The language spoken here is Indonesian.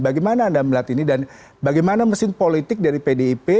bagaimana anda melihat ini dan bagaimana mesin politik dari pdip